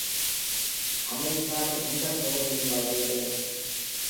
அமெரிக்காவின் எந்த பகுதி உங்கள் வீடு.